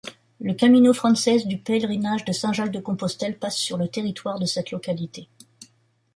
Le Camino francés du Pèlerinage de Saint-Jacques-de-Compostelle passe sur le territoire de cette localité.